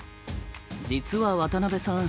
実は渡辺さん